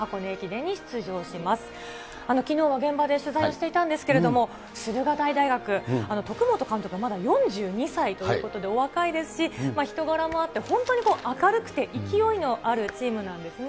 きのうは現場で取材をしていたんですけれども、駿河台大学、徳本監督、まだ４２歳ということでお若いですし、人柄もあって、本当に明るくて勢いのあるチームなんですね。